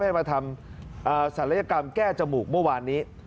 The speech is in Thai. ให้มาทำศัลยกรรมแก้จมูกเมื่อวานนี้